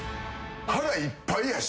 腹いっぱいやし。